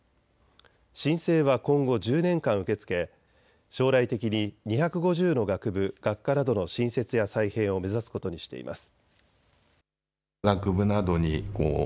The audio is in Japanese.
申請は今後１０年間受け付け将来的に２５０の学部、学科などの新設や再編を目指すことにしています。